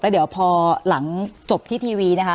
เดี๋ยวพอหลังจบที่ทีวีนะคะ